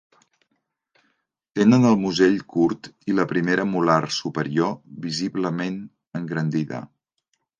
Tenen el musell curt i la primera molar superior visiblement engrandida.